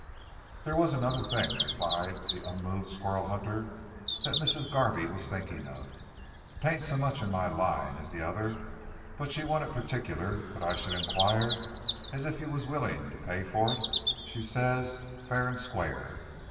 "Thar was another thing," replied the unmoved squirrel hunter, "that Missis Garvey was thinkin' of. 'Tain't so much in my line as t'other, but she wanted partic'lar that I should inquire, and ef you was willin', 'pay fur it,' she says, 'fa'r and squar'.